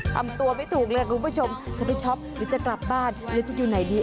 ทำตัวไม่ถูกเลยคุณผู้ชมจะไปช็อปหรือจะกลับบ้านหรือจะอยู่ไหนดี